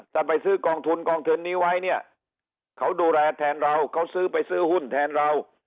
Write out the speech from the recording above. ไปซื้อกองทุนกองทุนนี้ไว้เนี่ยเขาดูแลแทนเราเขาซื้อไปซื้อหุ้นแทนเรา